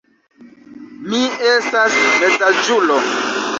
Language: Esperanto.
Mi estas mezaĝulo.